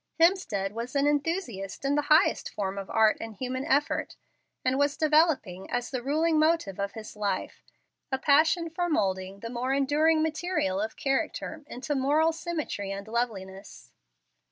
Hemstead was an enthusiast in the highest form of art and human effort, and was developing, as the ruling motive of his life, a passion for moulding the more enduring material of character into moral symmetry and loveliness.